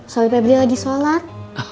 soalnya pebri lagi sholat